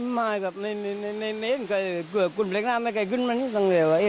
ไม่ครับมาไม่มีใครเกือบกุลแปลกหรอกไม่เคยขึ้นมาตลอดนี้จะเห็น